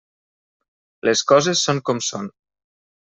Les coses són com són.